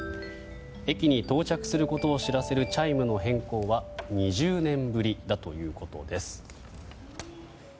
駅に到着することを知らせるチャイムの変更は２０年ぶりだということです。